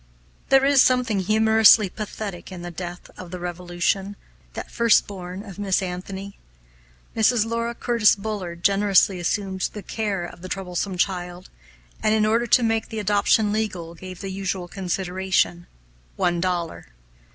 There is something humorously pathetic in the death of the Revolution that firstborn of Miss Anthony. Mrs. Laura Curtis Bullard generously assumed the care of the troublesome child, and, in order to make the adoption legal, gave the usual consideration one dollar.